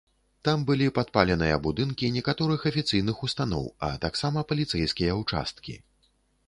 Там былі падпаленыя будынкі некаторых афіцыйных устаноў, а таксама паліцэйскія ўчасткі.